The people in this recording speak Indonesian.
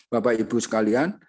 bapak ibu sekalian